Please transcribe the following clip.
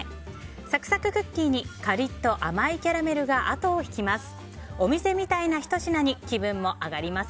サクサククッキーにカリッと甘いキャラメルがあとを引きます。